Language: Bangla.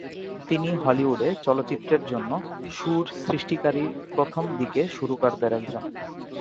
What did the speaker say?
তিনি হলিউডে চলচ্চিত্রের জন্য সুর সৃষ্টিকারী প্রথম দিকে সুরকারদের একজন।